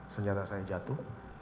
senjata saya jatuh